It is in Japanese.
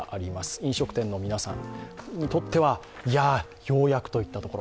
飲食店の皆さんにとっては、ようやくといったところ。